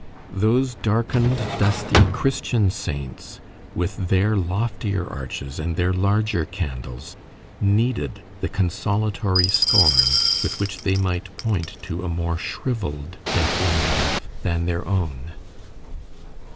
Those darkened dusty Christian saints, with their loftier arches and their larger candles, needed the consolatory scorn with which they might point to a more shrivelled death in life than their own.